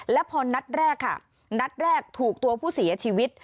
แล้วพอนัดแรกค่ะนัดแรกถูกตัวผู้เสียชีวิต